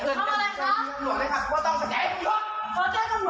เขาอยู่ห้องศัพท์หน่อยค่ะ